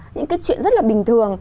những cái chuyện rất là bình thường